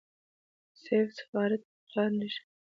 صيب سفارت په قار نشي.